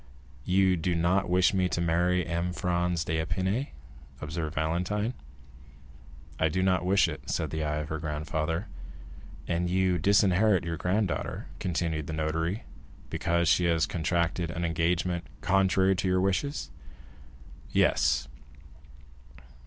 "You do not wish me to marry M. Franz d'Épinay?" observed Valentine. "I do not wish it," said the eye of her grandfather. "And you disinherit your granddaughter," continued the notary, "because she has contracted an engagement contrary to your wishes?" "Yes."